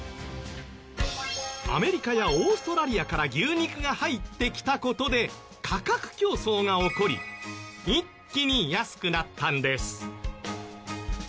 アメリカやオーストラリアから牛肉が入ってきた事で価格競争が起こり一気に安くなったんです。